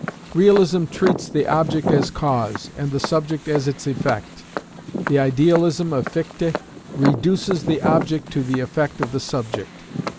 Realism treats the object as cause, and the subject as its effect. The idealism of Fichte reduces the object to the effect of the subject.